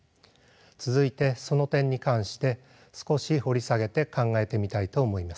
続いてその点に関して少し掘り下げて考えてみたいと思います。